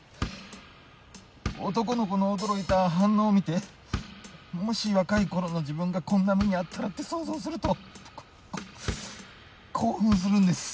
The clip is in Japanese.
男の子の驚いた反応を見てもし若い頃の自分がこんな目に遭ったらって想像するとこ興奮するんです。